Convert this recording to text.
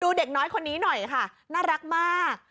เด็กน้อยคนนี้หน่อยค่ะน่ารักมาก